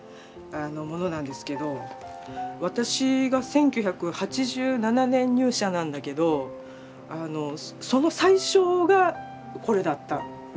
私が１９８７年入社なんだけどその最初がこれだったみたいなね何か。